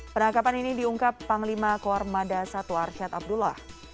penangkapan ini diungkap panglima kormada satwar syed abdullah